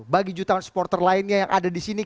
bagi jutaan supporter lainnya yang ada disini